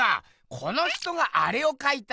この人がアレをかいた。